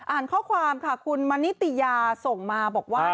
อ่านข้อความค่ะคุณมณิติยาส่งมาบอกว่า